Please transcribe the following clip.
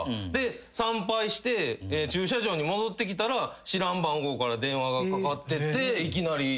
参拝して駐車場に戻ってきたら知らん番号から電話がかかってていきなり。